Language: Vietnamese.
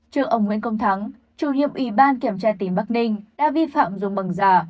trước ông nguyễn công thắng chủ nhiệm ủy ban kiểm tra tỉnh bắc ninh đã vi phạm dùng bằng giả